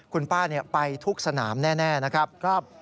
คุณป้าไปทุกสนามแน่นะครับ